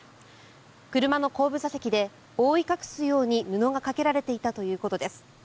車の後部座席で覆い隠すように布がかけられていたということです。